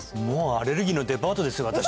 もうアレルギーのデパートですよ